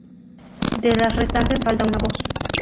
De las restantes falta una voz.